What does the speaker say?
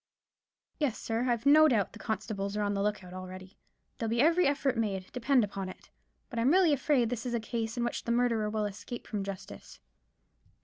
"Yes, sir; I've no doubt the constables are on the look out already. There'll be every effort made, depend upon it; but I'm really afraid this is a case in which the murderer will escape from justice."